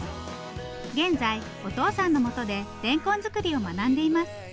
現在お父さんのもとでれんこん作りを学んでいます。